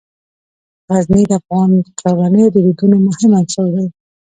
غزني د افغان کورنیو د دودونو مهم عنصر دی.